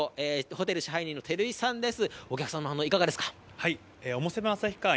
ホテル支配人の照井さんです。